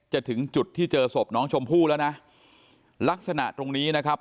ถึงจุดที่เจอศพน้องชมพู่แล้วนะลักษณะตรงนี้นะครับ